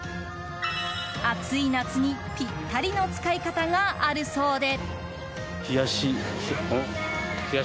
暑い夏にぴったりの使い方があるそうで。